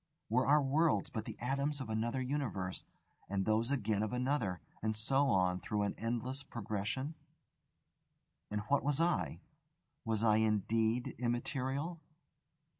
Were our worlds but the atoms of another universe, and those again of another, and so on through an endless progression? And what was I? Was I indeed immaterial?